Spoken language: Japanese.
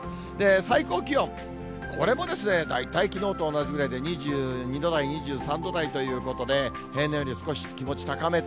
最高気温、これもですね、大体きのうと同じぐらいで２２度台、２３度台ということで、平年より少し気持ち高め。